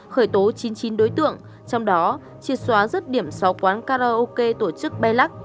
khởi tố chín mươi chín đối tượng trong đó triệt xóa rất điểm sáu quán karaoke tổ chức bayluck